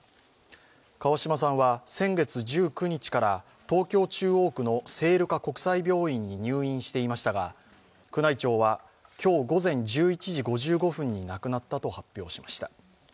川嶋さんは先月１９日から東京・中央区の聖路加国際病院に入院していましたが宮内庁は今日午前１１時５５分に亡くなったと発表しました。